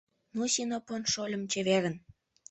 — Ну, Синопон шольым, чеверын!